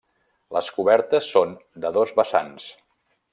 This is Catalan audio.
Les cobertes són de dos vessants.